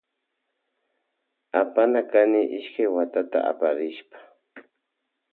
Apana kany ishkay wawata aparishpa.